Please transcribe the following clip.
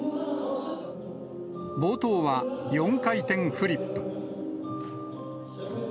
冒頭は４回転フリップ。